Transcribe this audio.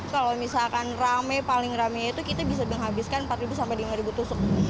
kalau misalkan rame paling rame itu kita bisa menghabiskan empat sampai lima tusuk